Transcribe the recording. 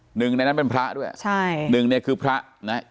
หนึ่งในนั้นเป็นพระด้วยใช่หนึ่งเนี่ยคือพระนะ